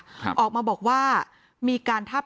และการแสดงสมบัติของแคนดิเดตนายกนะครับ